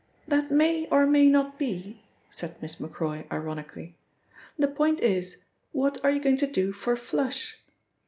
"That may or may not be," said Miss Macroy, ironically. "The point is, what are you going to do for 'Flush'?